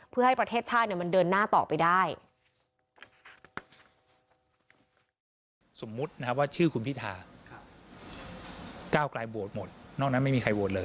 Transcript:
เพื่อให้ประเทศชาติมันเดินหน้าต่อไปได้